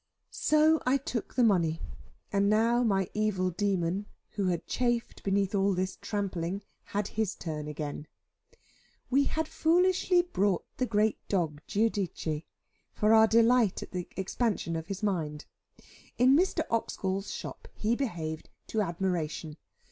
So I took the money; and now my evil demon, who had chafed beneath all this trampling, had his turn again. We had foolishly brought the great dog Giudice, for our delight and the expansion of his mind. In Mr. Oxgall's shop he behaved to admiration.